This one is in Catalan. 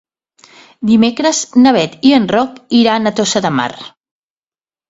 Dimecres na Bet i en Roc iran a Tossa de Mar.